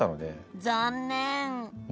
残念。